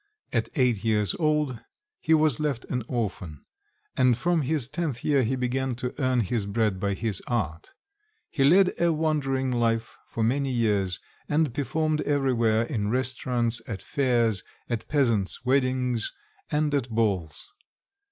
At eight years old he was left an orphan, and from his tenth year he began to earn his bread by his art. He led a wandering life for many years, and performed everywhere in restaurants, at fairs, at peasants' weddings, and at balls.